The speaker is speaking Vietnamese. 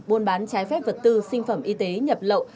buôn bán trái phép vật tư sinh phẩm y tế nhập lậu